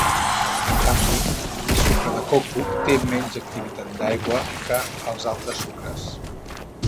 En canvi, el sucre de coco té menys activitat d'aigua que els altres sucres.